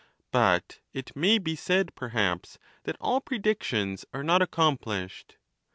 But it may be said, perhaps, that all predictions are not accomplished.